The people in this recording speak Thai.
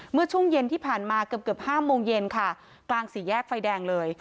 เมื่อช่วงเย็นที่ผ่านมาเกือบเกือบห้าโมงเย็นค่ะกลางสี่แยกไฟแดงเลย